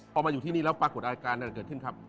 พอมาอยู่ที่นี่แล้วปรากฏอาการเกิดขึ้นครับ